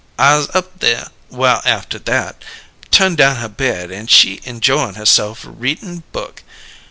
I 'uz up there, while after that, turn' down her bed; an' she injoyin' herse'f readin' book.